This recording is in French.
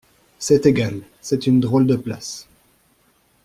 C’est égal, c’est une drôle de place !